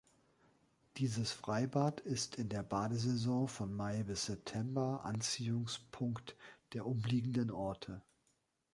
Dieses Freibad ist in der Badesaison von Mai bis September Anziehungspunkt der umliegenden Orte.